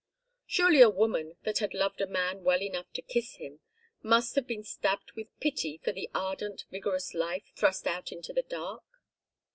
Surely a woman that had loved a man well enough to kiss him must have been stabbed with pity for the ardent vigorous life thrust out into the dark.